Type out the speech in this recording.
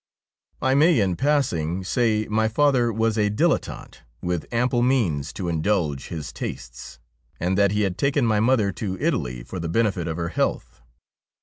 I may, in passing, say my father was a dilettante, with ample means to indulge his tastes, and that he had taken my mother to Italy for the benefit of her health.